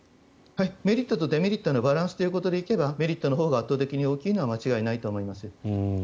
メリットとデメリットのバランスということで言えばメリットのほうが圧倒的に大きいのは間違いないと思います。